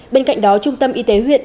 bên cạnh đó trung tâm y tế huyện